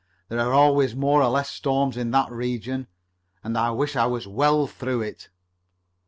There are always more or less storms in that region, and I wish I was well through it."